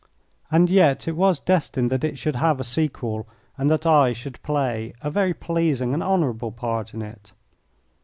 And yet it was destined that it should have a sequel and that I should play a very pleasing and honourable part in it.